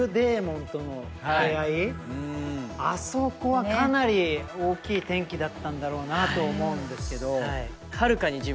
あそこはかなり大きい転機だったんだろうなと思うんですけど。